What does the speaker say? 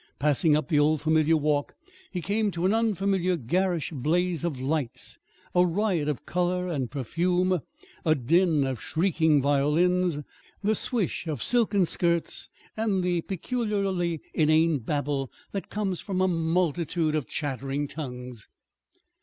Passing up the old familiar walk, he came to an unfamiliar, garish blaze of lights, a riot of color and perfume, a din of shrieking violins, the swish of silken skirts, and the peculiarly inane babble that comes from a multitude of chattering tongues.